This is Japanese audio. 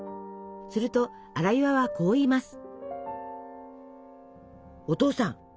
すると荒岩はこう言います。